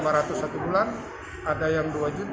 hampirnya kertas kpp di mana juga mempunyai regulatory norund